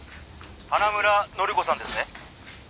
「花村乃里子さんですね？」